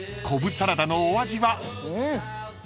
コブサラダのお味は？］